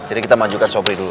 jadi kita majukan sobri dulu